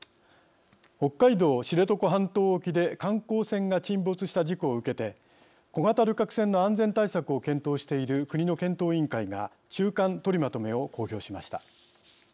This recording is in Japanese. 北海道・知床半島沖で観光船が沈没した事故を受けて小型旅客船の安全対策を検討している国の検討委員会が中間とりまとめを公表しました。